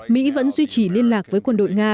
mỹ vẫn duy trì liên lạc với quân đội nga